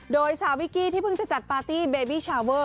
โดยชาววิกกี้ที่เพิ่งจะจัดปาร์ตี้เบบี้ชาวเวอร์